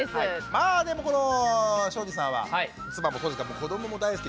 まあでもこの庄司さんは妻もそうですが子どもも大好き。